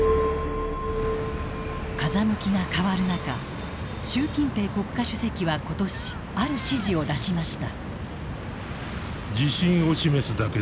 風向きが変わる中習近平国家主席は今年ある指示を出しました。